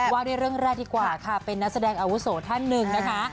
ว่าด้วยเรื่องแรกดีกว่าค่ะเป็นนักแสดงอาวุโสท่านหนึ่งนะคะ